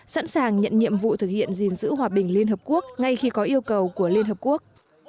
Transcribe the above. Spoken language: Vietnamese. sẵn sàng nhận nhiệm vụ thực hiện gìn giữ hòa bình liên hợp quốc ngay khi có yêu cầu của liên hợp quốc